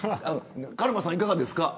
カルマさんいかがですか。